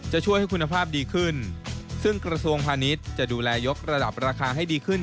ช่วยให้คุณภาพดีขึ้นซึ่งกระทรวงพาณิชย์จะดูแลยกระดับราคาให้ดีขึ้น